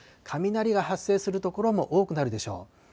雷が発生する所も多くなるでしょう。